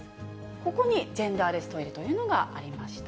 ここにジェンダーレストイレというのがありました。